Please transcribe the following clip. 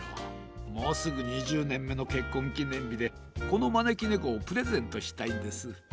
もうすぐ２０ねんめのけっこんきねんびでこのまねきねこをプレゼントしたいんです。